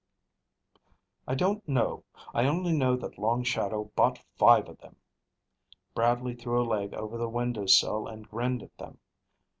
"I don't know. I only know that Long Shadow bought five of them." Bradley threw a leg over the window sill and grinned at them.